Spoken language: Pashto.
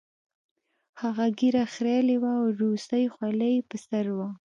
هغه ږیره خریلې وه او روسۍ خولۍ یې په سر وه